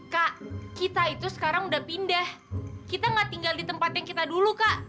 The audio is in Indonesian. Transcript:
kak kita itu sekarang udah pindah kita gak tinggal di tempatnya kita dulu kak